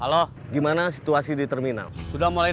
halo gimana situasi di terminal sudah mulai